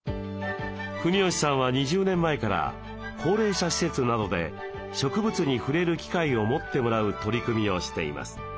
国吉さんは２０年前から高齢者施設などで植物に触れる機会を持ってもらう取り組みをしています。